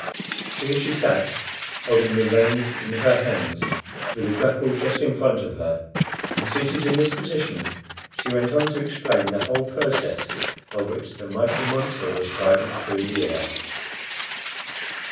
Here she sat, holding the reins in her hands, with the grapple just in front of her; and, seated in this position, she went on to explain the whole process by which the mighty monster was guided through the air.